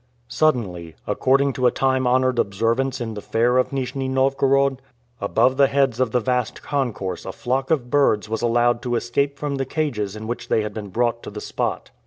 Suddenly, according to a time honored observance in the fair of Nijni Novgorod, above the heads of the vast concourse a flock of birds was allowed to escape from the cages in which they had been brought to the spot.